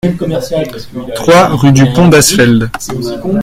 trois rue du Pont d'Asfeld